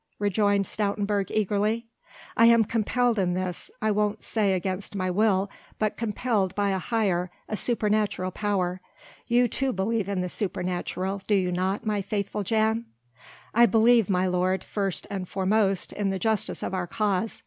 rejoined Stoutenburg eagerly. "I am compelled in this I won't say against my will, but compelled by a higher, a supernatural power. You, too, believe in the supernatural, do you not, my faithful Jan?" "I believe, my lord, first and foremost in the justice of our cause.